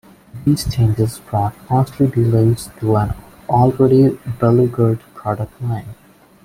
These changes brought costly delays to an already beleaguered product line.